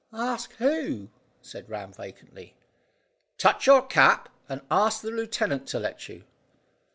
"Ask who?" said Ram, vacantly. "Touch your cap, and ask the lieutenant to let you."